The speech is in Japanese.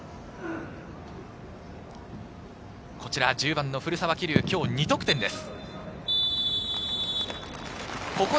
１０番の古澤希竜、今日２得点です。